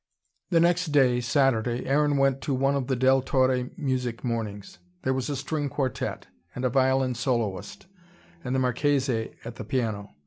The next day, Saturday, Aaron went to one of the Del Torre music mornings. There was a string quartette and a violin soloist and the Marchese at the piano.